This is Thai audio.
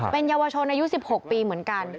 เป็นเยาวชนอายุ๑๖ปีเหมือนกัน